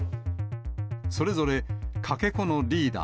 それぞれかけ子のリーダー、